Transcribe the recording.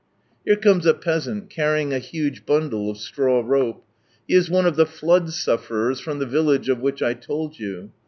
Here comes a peasant, carrying a huge bundle of straw rope. He is one of the flood sufferers, from the village of which I told you.